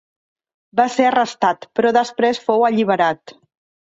Va ser arrestat, però després fou alliberat.